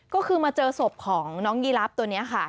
ก็คือมาเจอศพของน้องยีรับตัวนี้ค่ะ